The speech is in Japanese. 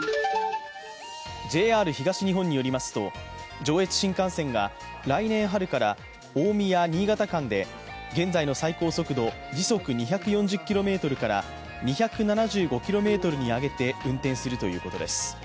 ＪＲ東日本によりますと上越新幹線が来年春から大宮−新潟間で現在の最高速度時速２４０キロメートルから２７５キロメートルに上げて運転するということです。